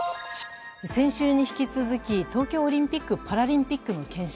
先週に引き続き、東京オリンピック・パラリンピックの検証